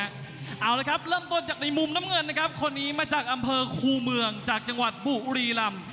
เอาละครับเริ่มต้นจากในมุมน้ำเงินนะครับคนนี้มาจากอำเภอคูเมืองจากจังหวัดบุรีลำ